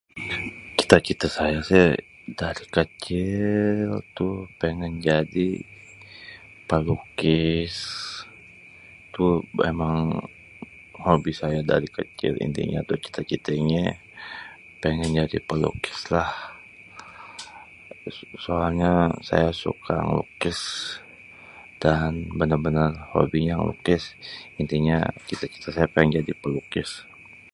cita-cita saya sih dari kecil tu péngén jadi pelukis.. tu émang hobi saya dari kecil.. intinya tu cita-citanya péngén jadi pelukis lah.. soalnya saya suka ngelukis dan bénér-bénér hobinya ngelukis.. intinya cita-cita saya péngén jadi pelukis..